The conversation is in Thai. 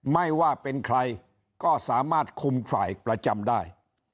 ไม่ว่าเป็นใครก็สามารถคุมฝ่ายประจำได้